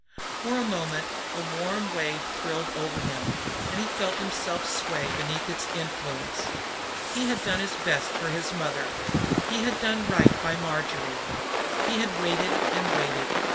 For a moment a warm wave thrilled over him and he felt himself sway beneath its influence. He had done his best for his mother; he had done right by Marjory; he had waited and waited.